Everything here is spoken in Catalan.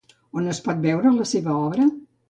On es pot veure la seva obra?